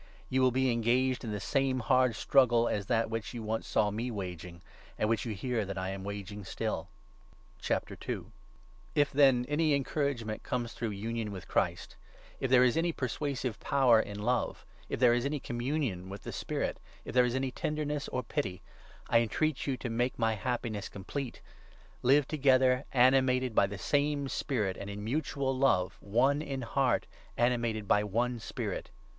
You will be engaged in the same hard struggle as that which 30 you once saw me waging, and which you hear that I am waging still. "Job 13. 16. PHIL1PPIANS, 2. 401 If, then, any encouragement comes through i Humility. un; on w;th Christ, if there is any persuasive power in love, if there is any communion with the Spirit, if there is any tenderness or pity, I entreat you to make my happiness 2 complete — Live together animated by the same spirit and in mutual love, one in heart, animated by one Spirit.